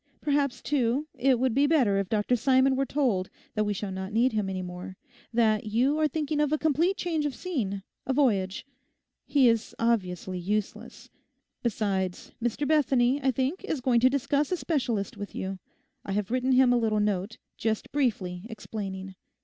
Perhaps, too, it would be better if Dr Simon were told that we shall not need him any more, that you are thinking of a complete change of scene, a voyage. He is obviously useless. Besides, Mr Bethany, I think, is going to discuss a specialist with you. I have written him a little note, just briefly explaining.